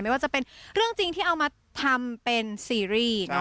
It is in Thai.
ว่าจะเป็นเรื่องจริงที่เอามาทำเป็นซีรีส์